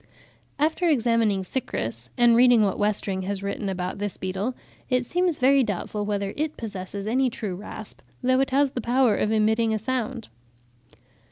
After examining Cychrus, and reading what Westring has written about this beetle, it seems very doubtful whether it possesses any true rasp, though it has the power of emitting a sound.